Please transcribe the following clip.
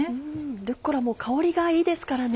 ルッコラも香りがいいですからね。